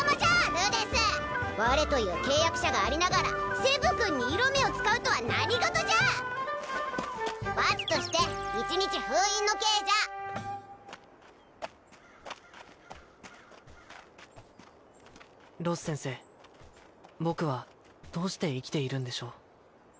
ルーデンス我という契約者がありながらセブ君に色目を使うとは何事じゃ罰として一日封印の刑じゃロス先生僕はどうして生きているんでしょう？